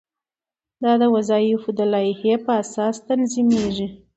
دا د وظایفو د لایحې په اساس تنظیمیږي.